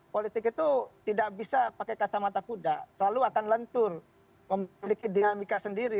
politik itu tidak bisa pakai kacamata kuda selalu akan lentur memiliki dinamika sendiri